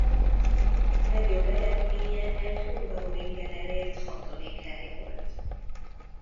Legjobb eredménye egy Hungaroringen elért hatodik hely volt.